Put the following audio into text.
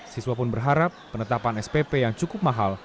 siswa pun berharap penetapan spp yang cukup mahal